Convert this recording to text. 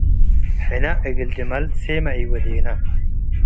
ሕነ እግል ድመል - ሴመ ኢወዴና